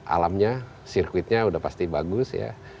alamnya sirkuitnya udah pasti bagus ya